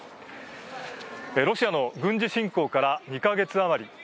ロシアの軍事侵攻から２か月あまり。